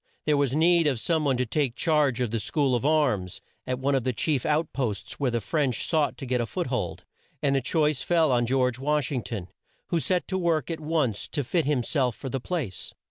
There was need of some one to take charge of a school of arms at one of the chief out posts where the French sought to get a foot hold, and the choice fell on George Wash ing ton, who set to work at once to fit him self for the place.